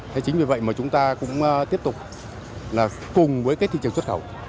thế chính vì vậy mà chúng ta cũng tiếp tục là cùng với cái thị trường xuất khẩu